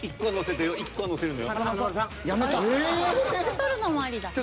取るのもありだ。